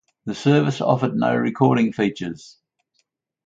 The service offered no recording features.